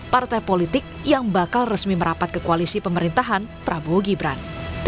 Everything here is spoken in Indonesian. partai politik yang bakal resmi merapat ke koalisi pemerintahan prabowo gibran